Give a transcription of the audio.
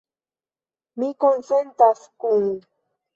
Mi konsentas kun...